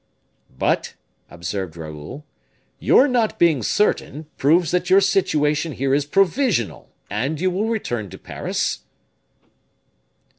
"But," observed Raoul, "your not being certain proves that your situation here is provisional, and you will return to Paris?"